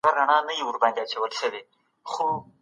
ما د پښتو ژبي دپاره یوه نوې ډکشنري جوړه کړه